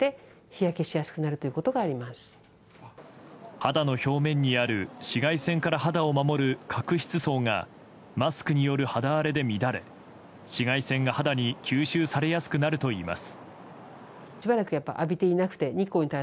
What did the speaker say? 肌の表面にある紫外線から肌を守る角質層がマスクによる肌荒れで乱れ紫外線が肌に吸収されやすくなるといいます。